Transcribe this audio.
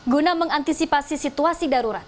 guna mengantisipasi situasi darurat